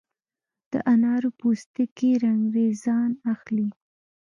د انارو پوستکي رنګریزان اخلي؟